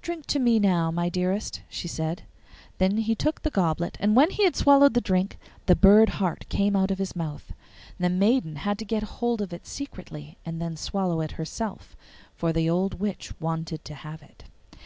'Drink to me now, my dearest,' she said. Then he took the goblet, and when he had swallowed the drink the bird heart came out of his mouth. The maiden had to get hold of it secretly and then swallow it herself, for the old witch wanted to have it.